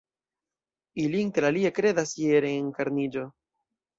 Ili interalie kredas je reenkarniĝo.